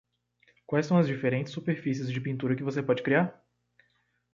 Quais são as diferentes superfícies de pintura que você pode criar?